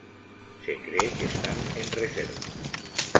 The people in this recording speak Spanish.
Se cree que están en reserva.